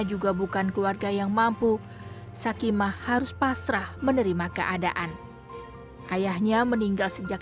juga bukan keluarga yang mampu sakimah harus pasrah menerima keadaan ayahnya meninggal sejak